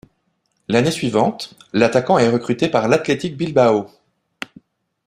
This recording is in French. L'année suivante, l'attaquant est recruté par l'Athletic Bilbao.